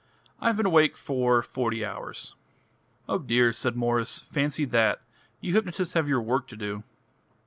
"I have been awake for forty hours." "Eh dear!" said Mwres: "fancy that! You hypnotists have your work to do."